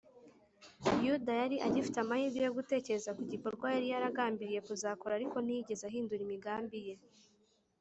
yuda yari agifite amahirwe yo gutekereza ku gikorwa yari yaragambiriye kuzakora, ariko ntiyigeze ahindura imigambi ye